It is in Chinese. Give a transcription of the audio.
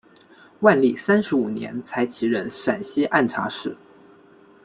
万历三十五年才起任陕西按察使。